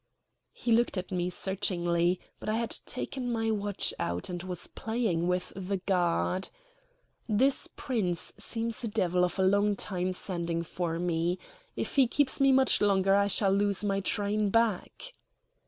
He looked at me searchingly, but I had taken my watch out and was playing with the guard. "This Prince seems a devil of a long time sending for me. If he keeps me much longer I shall lose my train back."